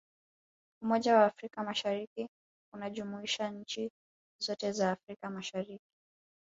umoja wa afrika mashariki unajumuisha nchi zote za afrika mashariki